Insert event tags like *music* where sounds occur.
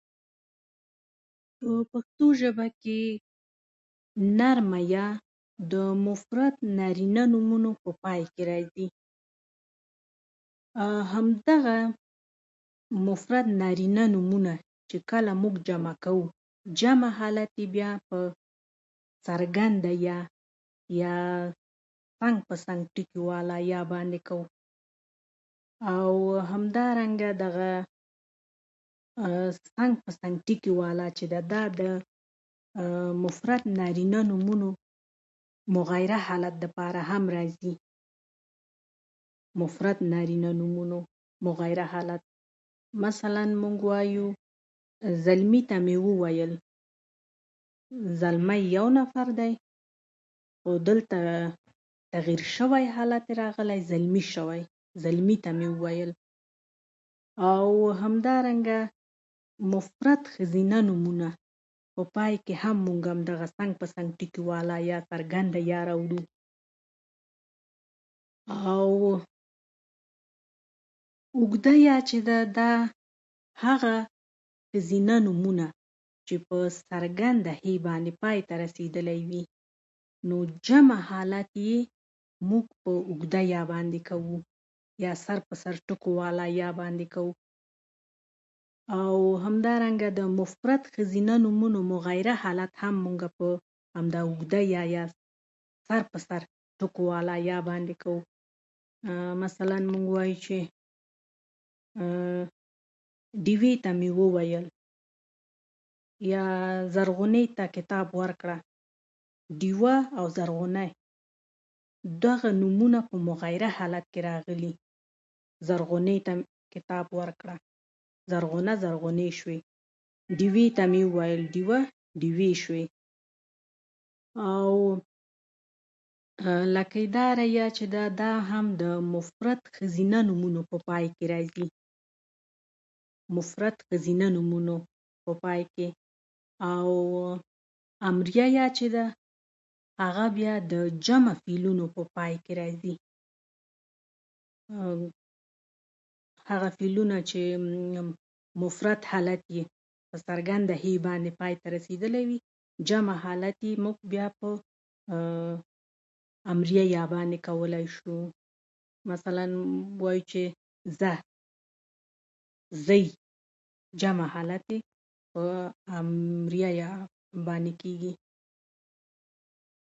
په پښتو ژبه کې نرمه یا د مفرد نارینه نومونو په پای کې راځي. همدغه مفرد نارینه نومونه چې کله موږ جمع کوو، جمع حالت یې بیا په څرګنده یا، یا څنګ په څنګ ټکي والا یا باندې کوو. او همدارنګه دغه څنګ په څنګ ټکي والا چې ده، دا د مفرد نارینه نومونو مغایره حالت لپاره هم راځي. مفرد نارینه نومونو مغایره حالت، مثلاً موږ وایو: زلمي ته مې وویل. زلمی یو نفر دی، او دلته تغییر شوی حالت راغلی، زلمي شوی. زلمي ته مې وویل. او همدارنګه مفرد ښځینه نومونه په پای کې هم موږه همدا څنګ په څنګ ټکي والا یا، څرګنده یا، راولو. او اوږده یا چې ده، دا هغه ښځینه نومونه چې په څرګنده هې باندې پای ته رسېدلی وي، نو جمع حالت یې موږ په اوږده یا باندې کوو، یا سر په سر ټکو والا یا باندې کوو. او همدارنګه د مفرد ښځینه نومونو مغایره حالت هم موږه په همدا اوږده یا، یا سر په سر یا باندې کوو. مثلاً موږ وایو چې *hesitation* ډیوې ته مې وویل، یا زرغونې ته کتاب ورکړه. ډیوه او زرغونه دغه نومونه خو مغایره حالت کې راغلي. زرغونې ته مې کتاب ورکړه. زرغونه زرغونې شوې. ډیوې ته مې وویل. ډیوه ډیوې شوې. او لکۍ داره یا چې ده، دا هم د مفرد ښځینه نومونو په پای کې راځي. مفرد ښځینه نومونو په پای کې. او امریه یا چې ده، هغه بیا د جمع فعلونو په پای کې راځي. *hesitation* هغه فعلونه چې *hesitation* مفرد حالت یې په څرګنده هې باندې پای ته رسېدلی وي، جمع حالت یې موږ په *hesitation* امریه یا باندې کولای شو. مثلاً وایو چې ځه، ځئ، جمع حالت دی، په امریه یا باندې کېږي.